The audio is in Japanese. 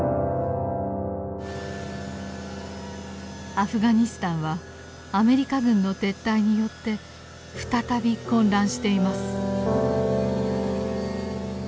アフガニスタンはアメリカ軍の撤退によって再び混乱しています。